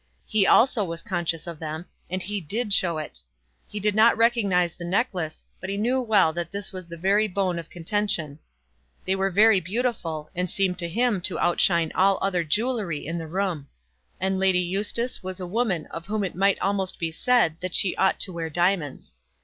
He also was conscious of them, and he did show it. He did not recognise the necklace, but he knew well that this was the very bone of contention. They were very beautiful, and seemed to him to outshine all other jewellery in the room. And Lady Eustace was a woman of whom it might almost be said that she ought to wear diamonds.